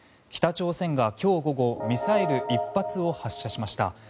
北朝鮮が今日午後ミサイル１発を発射しました。